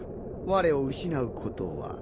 われを失うことは。